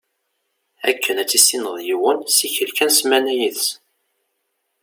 Akken ad tissineḍ yiwen, ssikel kan ssmana yid-s.